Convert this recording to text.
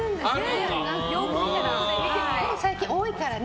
でも最近、多いからね。